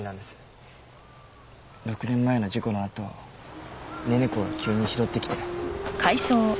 ６年前の事故のあと寧々子が急に拾ってきて。